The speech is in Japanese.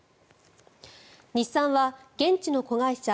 日産は現地の子会社